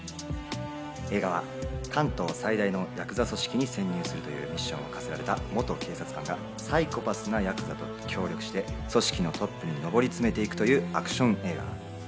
映画は関東最大のヤクザ組織に潜入するというミッションを課せられた元警察官がサイコパスなヤクザと協力して、組織のトップに上り詰めていくというアクション映画。